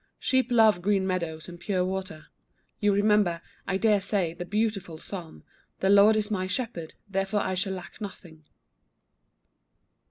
Sheep love green meadows and pure water. You remember, I dare say, the beautiful Psalm, "The Lord is my shepherd, therefore I shall lack nothing."